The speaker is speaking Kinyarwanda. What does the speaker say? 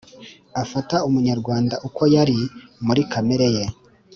afata umunyarwanda uko yari muri kamere ye: